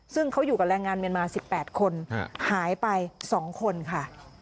ซึ่งเขาอยู่กับแรงงานเมียนมา๑๘คนหายไป๒คนค่ะ